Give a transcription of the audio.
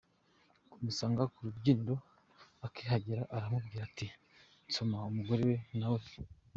kumusanga ku rubyiniro, akihagera aramubwira ati “nsoma”, umugore we nawe